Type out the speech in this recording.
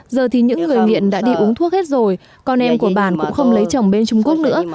giờ thì những người nghiện đã đi uống thuốc hết rồi con em của bản cũng không lấy chồng bên trung quốc nữa